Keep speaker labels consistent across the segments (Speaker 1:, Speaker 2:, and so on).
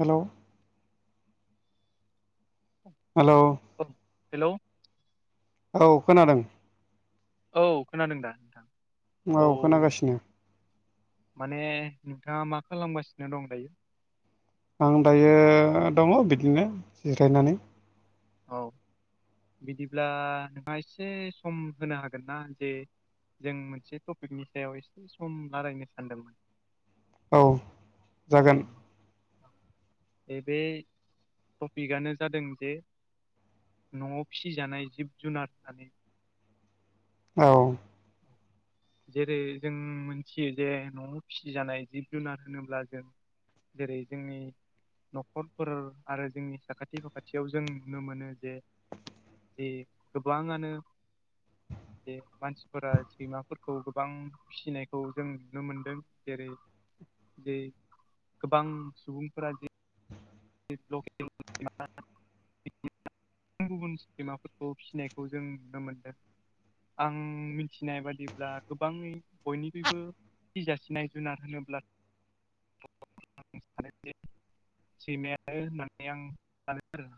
Speaker 1: Hello
Speaker 2: औ
Speaker 1: hello
Speaker 2: औ hello
Speaker 1: औ खोनादों
Speaker 2: औ खोनादों दा नोंथां
Speaker 1: औ खोनागासिनो
Speaker 2: माने नोंथाङा मा खालामगासिनो दं दायो
Speaker 1: आं दायो दङ बिदिनो जिरायनानै
Speaker 2: औ बिदिब्ला नोंहा एसे सम होनो हागोन ना जे जों मोनसे टपिकनि सायाव एसे सम रायलायनो सानदोंमोन
Speaker 1: औ जागोन
Speaker 2: बे टपिकआनो जादों जे न'आव फिसिजानाय जिब जुनार होननानै
Speaker 1: औ [inaudible]
Speaker 2: जेरै जों मोनथियो जे न'आव फिसिजानाय जिब जुनार होनोब्ला जों जेरै जोंनि न'खरफोर आरो जोंनि साखाथि फाखाथियाव जों नुनो मोनो जे दे गोबाङानो जे मानसिफोरा सैमाफोरखौ गोबां फिसिनायखौ जों नुनो मोनदों जेरै जे गोबां सुबुंफोरा जे [unintelligible] गुबुन गुबुन सैमाफोरखौ फिसिनायखौ जों नुनो मोनदों आं मिथिनाय बादिब्ला गोबां बयनिख्रुइबो फिसिजासिनाय जुनार होनोब्ला [unintelligible] सैमायानो होननानै आं सानो आरो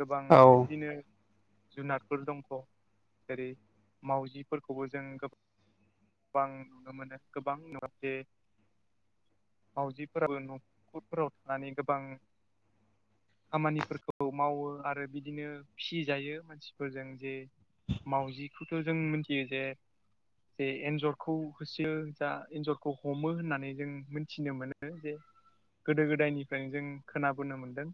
Speaker 2: गोबां
Speaker 1: औ
Speaker 2: बिबदिनो जुनारफोर दंख' जेरै मावजिफोरखौबो जों गोबां बां नुनो मोनो गोबां नुवासे मावाउजिफोराबो न'खरफोराव थानानै गोबां खामानिफोरखौ मावो आरो बिदिनो फिजायो मानसिफोरजों जे मावजिखौथ' जों मिथियो जे एन्जरखौ होसोयो जा एन्जरखौ हमो होननानै जों मोनथिनो मोनो जे गोदो गोदायनिफ्रायनो जों खोनाबोनो मोन्दों।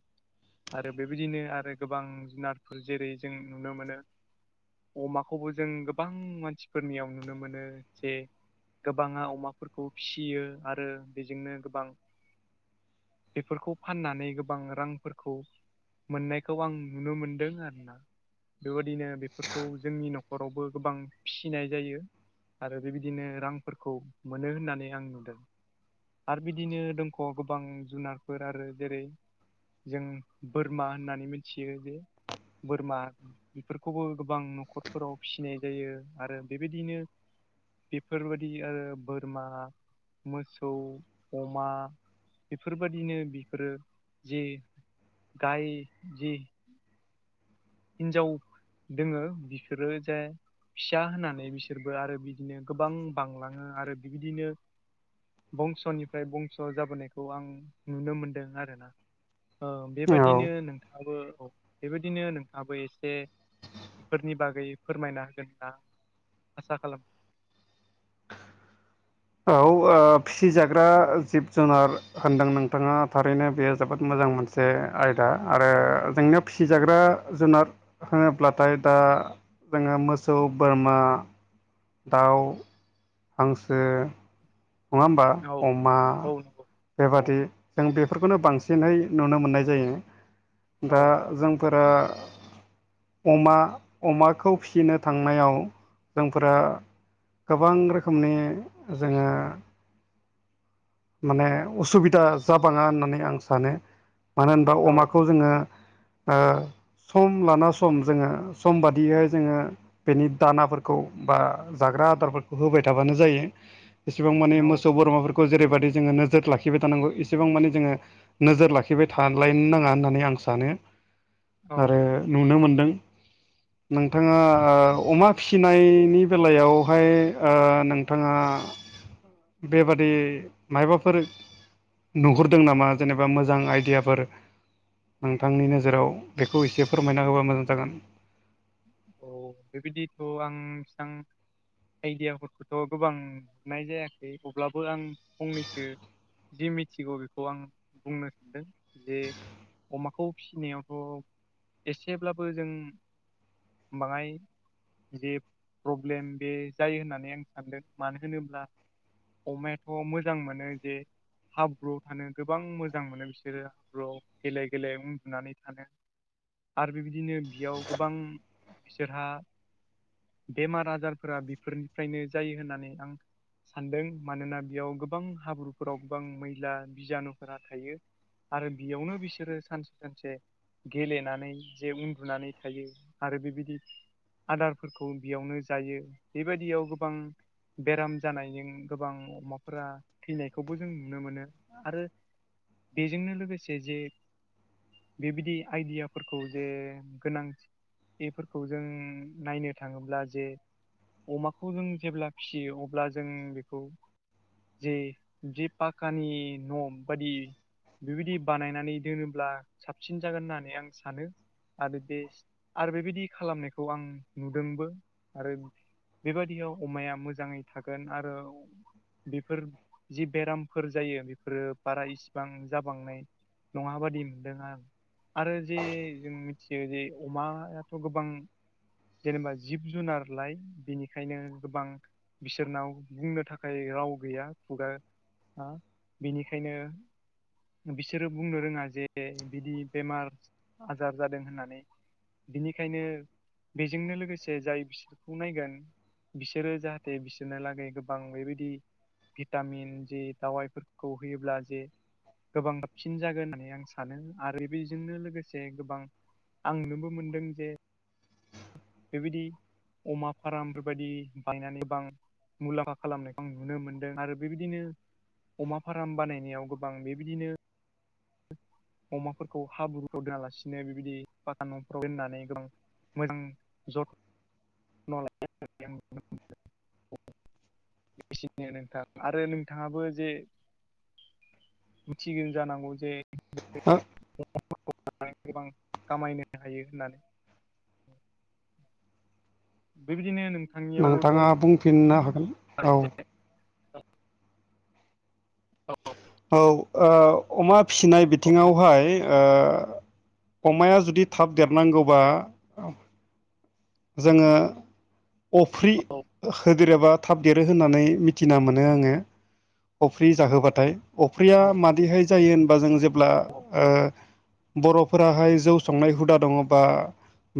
Speaker 2: आरो बेबायदिनो आरो गोबां जुनारफोर जेरै जों नुनो मोनो। अमाखौबो जों गोबां मानसिफोरनियाव नुनो मोनो। जे गोबाङा अमाफोरखौ फिसियो आरो बेजोंनो गोबां बेफोरखौ फाननानै गोबां रांफोरखौ मोननायखौ आं नुनो मोनदों आरो ना। बेबायदिनो बेफोरखौ जोंनि न'खरावबो गोबां फिसिनाय जायो। आरो बेबायदिनो रांफोरखौ मोनो होननानै आं नुदों। आरो बिदिनो दंख' गोबां जुनारफोर आरो जेरै- जों बोरमा होननानै मिथियो जे बोरमा बेफोरखौबो गोबां न'खरफोराव फिसिनाय जायो आरो बेबायदिनो बेफोरबायदि आरो बोरमा, मोसौ, अमा, बेफोरबायदिनो बेफोरो जि गाय जि हिनजाव दोङो बिसोरो जे फिसा होनानै बिसोरबो आरो बिदिनो गोबां बांलाङो आरो बिबायदिनो बंस'निफ्राय बंस' जाबोनायखौ आं नुनो मोनदों आरोना। बेबायदिनो नोंथाङाबो औ बेबायदिनो नोंथां। आबो एसे बेफोरनि बागै फोरमायना होगोन होनना आसा खालामो।
Speaker 1: औ फिसिजाग्रा जिब - जुनार। होनदों नोंथाङा थारैनो बेयो जोबोद मोजां मोनसे आयदा आरो जोंनियाव फिसिजाग्रा जुनार होनोब्लाथाय दा जोङो मोसौ, बोरमा, दवाई। हांसो नङा होमबा
Speaker 2: औ
Speaker 1: अमा
Speaker 2: औ नंगौ औ
Speaker 1: बेबादि जों बेफोरखौनो बांसिनै नुनो मोननाय जायो
Speaker 2: औ
Speaker 1: दा जोंफोरा अमा अमाखौ फिसिनो थांनायाव जोंफोरा गोबां रोखोमनि जोङो माने उसुबिदा जाबाङा होननानै आं सानो मानो होनबा
Speaker 2: औ
Speaker 1: अमाखौ जोङो सम लाना सम जोङो सम बादियैहाय जोङो बेनि दानाफोरखौ बा जाग्रा आदारफोरखौ होबाय थाबानो जायो। एसेबां माने
Speaker 2: औ
Speaker 1: मोसौ बोरमाफोरखौ जेरैबाददि जोङो नोजोर लाखिबाय थानांगौ इसेबां माने जोङो नोजोर लाखिबाय थालायनो नाङा होननानै आं सानो
Speaker 2: औ
Speaker 1: आरो नुनो मोनदों। नोंथाङा अमा फिसिनायनि बेलायावहाय नोंथाङा बेबादि मायबाफोर नुहुरदों नामा जेनेबा मोजां आइदियाफोर। नोंथांनि नोजोराव बेखौ एसे फोरमायना होबा मोजां जागोन।
Speaker 2: औ बेबायदिथ' आं इसेबां आइडियाफोरखौथ' गोबां नुनाय जायाखै अब्लाबो आं फंनैसो जि मिथिगौ बेखौ आं बुंनो सानदों जे अमाखौ फिसिनायावथ' एसेब्लाबो जों बाङाय जे प्रब्लेम बे जायो होननानै आं सानदों मानो होनोब्ला अमायाथ' मोजां मोनो जे हाब्रुआव थानो गोबां मोजां मोनो बिसोरो हाब्रुआव गेले गेले उन्दुनानै थानो। आरो बेबायदिनो बियाव गोबां बिसोरहा बेमार आजारफोरा बेफोरनिफ्रायनो जायो होननानै आं सानदों मानोना बेयाव गोबां हाब्रुफोराव गोबां मैला बिजानुफोरा थायो। आरो बेयावनो बिसोरो सानसे सानसे गेलेनानै जे उन्दुनानै थायो। आरो बेबायदि आदारफोरखौ बेयावनो जायो बेबायदियाव गोबां बेराम जानायजों गोबां अमाफोरा थैनायखौबो जों नुनो मोनो। आरो बेजोंनो लोगोसे जे बेबायदि आइडियाफोरखौ जे गोनांथि बेफोरखौ जों नायनो थाङोब्ला जे अमाखौ जों जेब्ला फिसियो अब्ला जों बेखौ जे जे पाकानि न' बादि बेबायदि बानायनानै दोनोब्ला साबसिन जागोन होननानै आं सानो आरो बे आरो बेबायदि खालामनायखौ आं नुदोंबो आरो बेबायदियाव अमाया मोजाङै थागोन आरो बेफोर जि बेरामफोर जायो बेफोरो बारा इसिबां जाबांनाय नङाबादि मोनदों आं आरो जे जों मिथियो जे अमा हाथ' गोबां जेनेबा जिब जुनार लाइ बेनिखायनो गोबां बिसोरनाव बुंनो थाखाय राव गैया खुगा हा बेनिखायनो बिसोरो बुंनो रोङा जे बिदि बेमार आजार जादों होननानै। बिनिखायनो बेजोंनो लोगोसे जाय बिसोरखौ नायगोन। बिसोरो जाहाथे बिसोरनो लागै गोबां बेबायदि भिटामिन जे दावाइफोरखौ होयोब्ला जे गोबां साबसिन जागोन होननानै आं सानो आरो बेजोंनो लोगोसे गोबां आं नुबो मोनदों जे बेबायदि अमा फार्म बेफोरबायदि बायनानै गोबां मुलाम्फा खालामनायखौ आं नुनो मोन्दों आरो बेबायदिनो अमा फार्म बानायनायाव गोबां बेबायदिनो अमाफोरखौ हाब्रुफोराव दोनालासिनो बेबायदि पाका न'फोराव दोननानै गोबां मोजां जथ [unintelligible] एसेनो नोंथां आरो नोंथाङाबो जे मिथिगोन जानांगौ जे
Speaker 1: हा
Speaker 2: गोबां खामायनो हायो होननानै। बेबायदिनो नोंथांनियावबो
Speaker 1: नोंथाङा
Speaker 2: दं
Speaker 1: बुंफिननो हागोन औ
Speaker 2: औ औ।
Speaker 1: औ अमा फिसिनाय
Speaker 2: औ
Speaker 1: बिथिङावहाय। आ अमाया जुदि थाब देरनांगौबा जोङो अफ्रि
Speaker 2: औ
Speaker 1: होदेरोबा थाब देरो होननानै मिथिना मोनो आङो अफ्रि जाहोबाथाय। अफ्रिया
Speaker 2: औ
Speaker 1: मादिहाय जायो होनबा जों जेब्ला
Speaker 2: औ
Speaker 1: ओ बर'फोराहाय जौ संनाय हुदा दङबा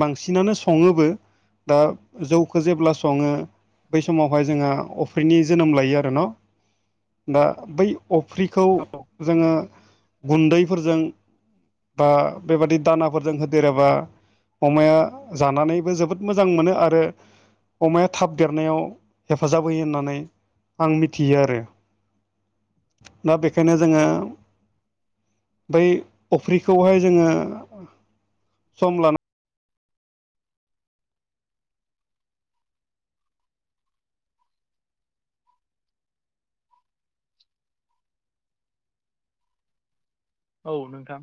Speaker 1: बांसिनानो सङोबो। दा जौखौ जेब्ला सङो बै समावहाय जोंहा अफ्रिनि जोनोम लायो आरो न। दा बै अफ्रिखौ जोङो गुन्दैफोरजों बा बेबादि दानाफोरजों होदेरोबा अमाया जानानैबो जोबोद मोजां मोनो आरो अमाया थाब देरनायाव हेफाजाब होयो होननानै आं मिथियो आरो दा बेखायनो जोङो बै अफ्रिखौहाय जोङो सम लानानै
Speaker 2: औ नोंथां।